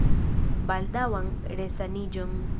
Baldaŭan resaniĝon!